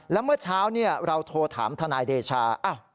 และเมื่อเช้าเนี่ยเราโทรถามธนายเดชา